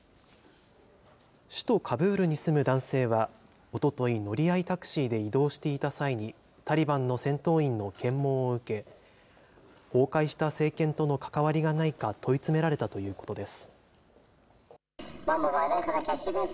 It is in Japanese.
首都カブールに住む男性はおととい、乗り合いタクシーで移動していた際に、タリバンの戦闘員の検問を受け、崩壊した政権との関わりがないか、問い詰められたということです。